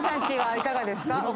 ちいかがですか？